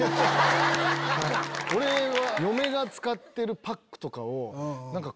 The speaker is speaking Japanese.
俺は。